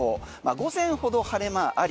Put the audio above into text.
午前ほど晴れ間あり